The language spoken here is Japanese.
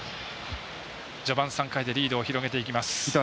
序盤３回でリードを広げていきます。